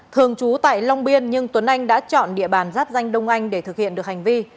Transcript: thường trú tại long biên nhưng tuấn anh đã chọn địa bàn giáp danh đông anh để thực hiện được hành vi